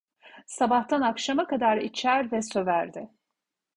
Sabahtan akşama kadar içer ve söverdi.